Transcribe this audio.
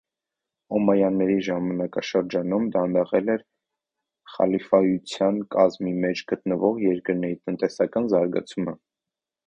Օմայանների ժամանակաշրջանում դանդաղել էր խալիֆայության կազմի մեջ գտնվող երկրների տնտեսական զարգացումը։